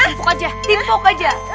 timpok aja timpok aja